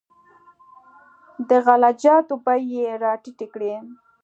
د غله جاتو بیې یې راټیټې کړې.